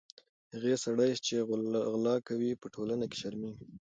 هغه سړی چې غلا کوي، په ټولنه کې شرمېږي.